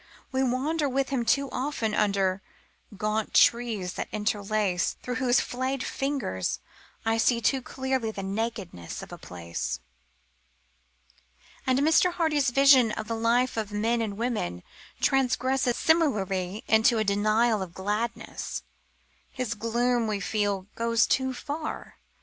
We wander with him too often under Gaunt trees that interlace, Through whose flayed fingers I see too clearly The nakedness of the place. And Mr. Hardy's vision of the life of men and women transgresses similarly into a denial of gladness. His gloom, we feel, goes too far.